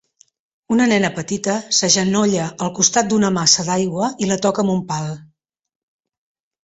Una nena petita s'agenolla al costat d'una massa d'aigua i la toca amb un pal.